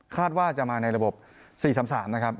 คาดว่าจะมาในระบบ๔๓๓นะครับ